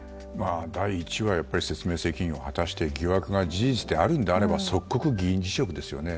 第一は、説明責任を果たして疑惑が事実であるのであれば即刻議員辞職ですよね。